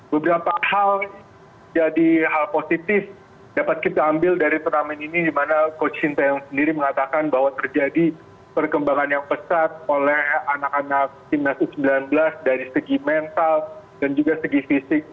beberapa hal jadi hal positif dapat kita ambil dari turnamen ini dimana coach shin taeyong sendiri mengatakan bahwa terjadi perkembangan yang pesat oleh anak anak timnas u sembilan belas dari segi mental dan juga segi fisik